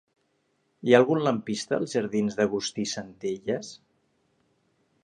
Hi ha algun lampista als jardins d'Agustí Centelles?